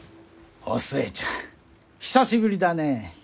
お寿恵ちゃん久しぶりだねえ！